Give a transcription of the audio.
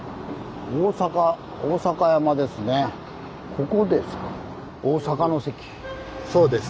ここですか。